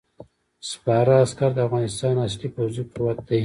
سپاره عسکر د افغانستان اصلي پوځي قوت دی.